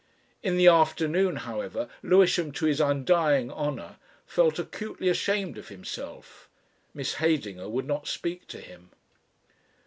In the afternoon, however, Lewisham, to his undying honour, felt acutely ashamed of himself. Miss Heydinger would not speak to him.